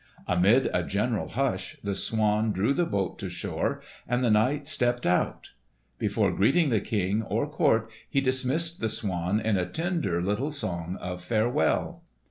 Amid a general hush, the swan drew the boat to shore, and the knight stepped out. Before greeting the King or court, he dismissed the swan in a tender little song of farewell!